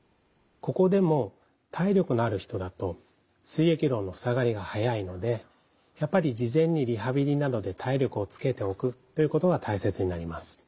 ここでも体力のある人だとすい液漏の塞がりが早いのでやっぱり事前にリハビリなどで体力をつけておくことが大切になります。